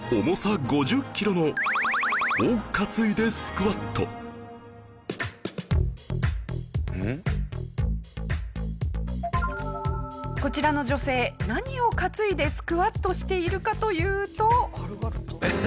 こちらの女性何を担いでスクワットしているかというと。